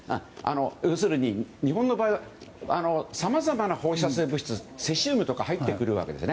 要するに日本の場合はさまざまな放射性物質セシウムとかも入ってくるわけです。